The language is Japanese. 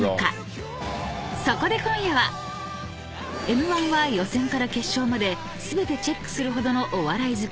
［Ｍ−１は予選から決勝まで全てチェックするほどのお笑い好き